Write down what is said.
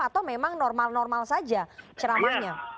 atau memang normal normal saja ceramahnya